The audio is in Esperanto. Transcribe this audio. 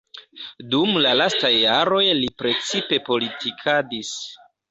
Dum la lastaj jaroj li precipe politikadis.